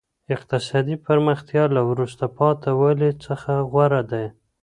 اقتصادي پرمختیا له وروسته پاته والي څخه غوره ده.